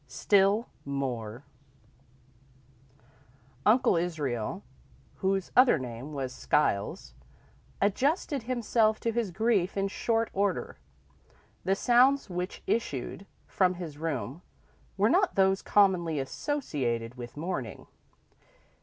X Still More Uncle Israel, whose other name was Skiles, adjusted himself to his grief in short order. The sounds which issued from his room were not those commonly associated with mourning.